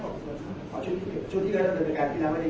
แต่ว่าไม่มีปรากฏว่าถ้าเกิดคนให้ยาที่๓๑